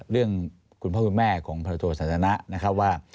เรื่องคุณพ่อคุณแม่ของพลโทสันทนะนะครับว่า